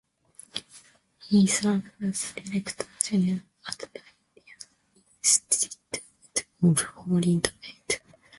He served as Director General at the Indian Institute of Foreign Trade.